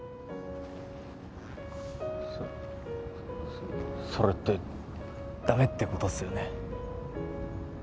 そっそれってダメってことっすよね